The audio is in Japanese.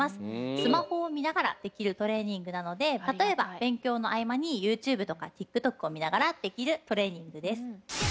スマホを見ながらできるトレーニングなので例えば勉強の合間にＹｏｕＴｕｂｅとかＴｉｋＴｏｋを見ながらできるトレーニングです。